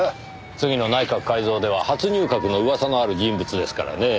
次の内閣改造では初入閣の噂のある人物ですからねぇ。